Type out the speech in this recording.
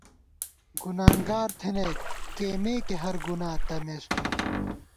گُنانگار تھنَئیک ، کئیمېکے ہر گُنا تمېس تُو